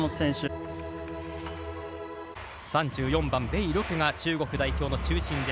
３４番、米勒が中国代表の中心。